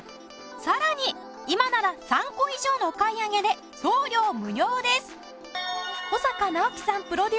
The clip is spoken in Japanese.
さらに今なら３個以上のお買い上げで送料無料です。